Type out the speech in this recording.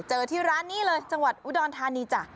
ที่ร้านนี้เลยจังหวัดอุดรธานีจ้ะ